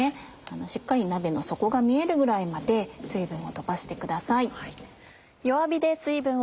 しっかり鍋の底が見えるぐらいまで水分をとばしてください。